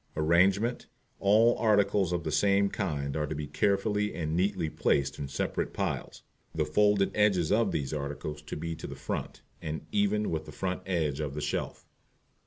Arrangement All articles of the same kind are to be carefully and neatly placed in separate piles. The folded edges of these articles to be to the front, and even with the front edge of the shelf.